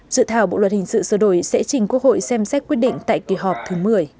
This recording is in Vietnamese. dự thảo bộ luật hình sự sửa đổi sẽ trình quốc hội xem xét quyết định tại kỳ họp thứ một mươi